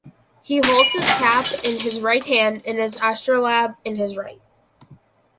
He holds his cap in his right hand and his astrolabe in his right.